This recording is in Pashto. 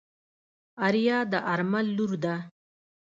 آريا د آرمل لور ده.